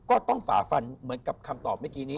ก็ต้องฝาฟันเหมือนกับคำตอบนี้